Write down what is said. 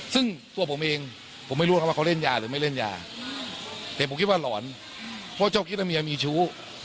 ซึ่งตัวผมเองผมไม่รู้ครับว่าเขาเล่นยาหรือไม่เล่นยาแต่ผมคิดว่าหลอนเพราะเจ้าคิดว่าเมียมีชู้